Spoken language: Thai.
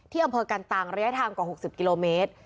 อำเภอกันตังระยะทางกว่า๖๐กิโลเมตร